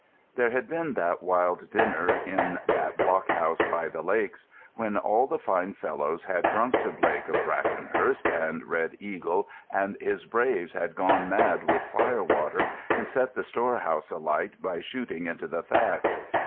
There had been that wild dinner in that block house by the lakes, when all the fine fellows had drunk to Blake of Brackenhurst, and Red Eagle and his "braves" had gone mad with fire water and set the store house alight by shooting into the thatch.